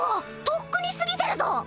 とっくに過ぎてるぞ！